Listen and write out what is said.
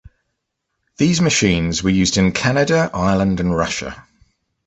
These machines were used in Canada, Ireland, and Russia.